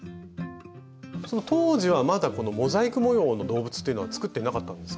その当時はまだモザイク模様の動物というのは作っていなかったんですか？